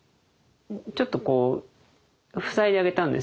ちょっとこう塞いであげたんですよ。